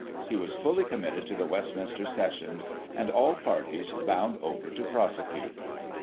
He was fully committed to the Westminster Sessions, and all parties bound over to prosecute.